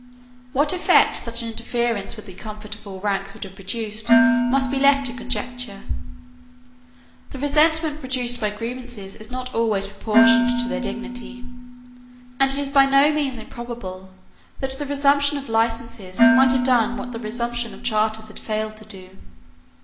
What effect such an interference with the comfort of all ranks would have produced must be left to conjecture. The resentment produced by grievances is not always proportioned to their dignity; and it is by no means improbable that the resumption of licenses might have done what the resumption of charters had failed to do.